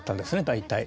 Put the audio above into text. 大体。